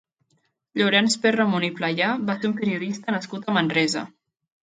Llorenç Perramon i Playà va ser un periodista nascut a Manresa.